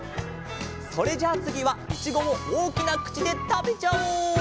それじゃあつぎはいちごをおおきなくちでたべちゃおう！